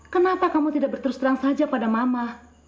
kenapa kamu tidak berterus terang saja pada mama